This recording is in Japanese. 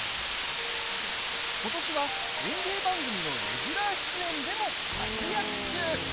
ことしは、園芸番組のレギュラー出演でも活躍中。